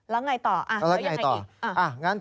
แล้วไงต่อ